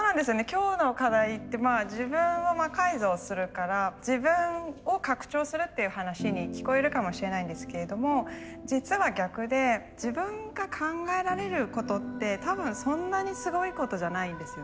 今日の課題って自分を魔改造するから自分を拡張するっていう話に聞こえるかもしれないんですけれども実は逆で自分が考えられることって多分そんなにすごいことじゃないんですよね。